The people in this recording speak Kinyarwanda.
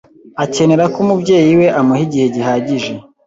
akenera ko umubyeyi we amuha igihe gihagije